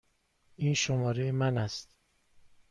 این شماره من است.